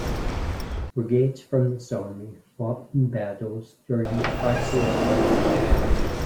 Brigades from this army fought in battles during Price's Raid.